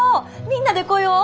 みんなで来よう！